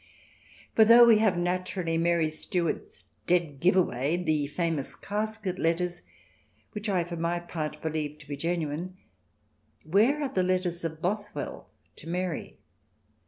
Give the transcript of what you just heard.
For though we have, naturally, Mary Stuart's " dead give away," the famous Casket letters, which I for my part believe to be genuine, where are the letters of Bothwell to Mary